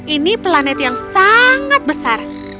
ini planet yang sangat besar